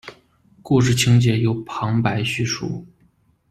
故事情节由旁白叙述。